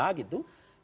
mengancam nkri kita gitu